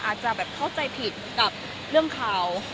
อาจจะแบบเข้าใจผิดกับเรื่องข่าว